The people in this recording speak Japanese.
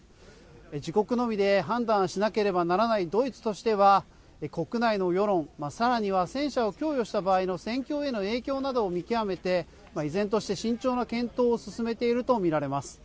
自国のみで判断しなければならないドイツとしては国内の世論、さらには戦車を供与した場合の戦況への影響などを見極めて依然として慎重な検討を進めていると見られます。